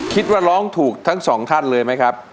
คิดว่าร้องถูกทั้งสองท่านเลยไหมครับ